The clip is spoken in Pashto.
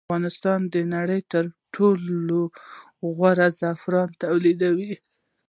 افغانستان د نړۍ تر ټولو غوره زعفران تولیدوي